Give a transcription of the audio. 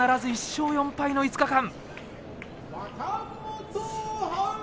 １勝４敗の５日間。